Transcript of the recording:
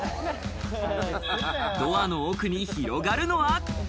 ドアの奥に広がるのは。